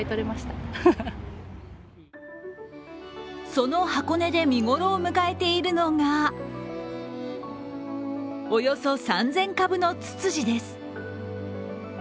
その箱根で見頃を迎えているのがおよそ３０００株のツツジです。